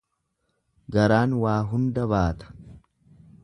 Garaan waa hunda baata.